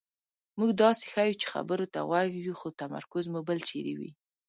مونږ داسې ښیو چې خبرو ته غوږ یو خو تمرکز مو بل چېرې وي.